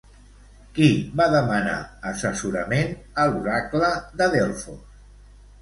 Qui va demanar assessorament a l'oracle de Delfos?